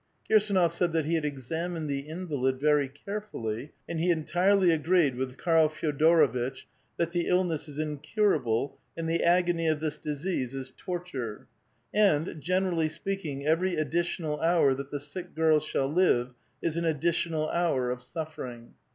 Kii*sdnof said that he had examined th^ invalid very care fully, and he entirely agreed with Kail Feodorvitch that the illness is incurable, and the agony of this disease is torture ; and, generally speaking, every additional hour that the sick girl shall live is an additional hour of suffering.